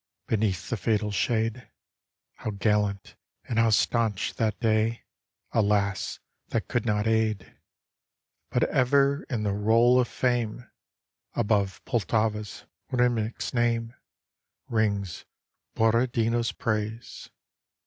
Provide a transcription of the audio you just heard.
Beneath the fatal shade; How gallant and how stanch that day! Alas! that could not aid. But ever in the roll of Fame, Above Poltava's, Rymnik's name Rings Borodino's praise.